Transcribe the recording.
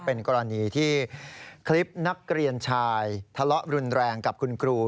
เป็นกรณีที่คลิปนักเรียนชายทะเลาะรุนแรงกับคุณครู